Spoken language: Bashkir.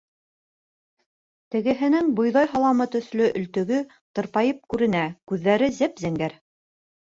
Тегеһенең бойҙай һаламы төҫлө өлтөгө тырпайып күренә, күҙҙәре зәп-зәңгәр.